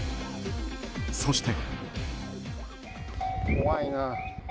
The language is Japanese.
そして。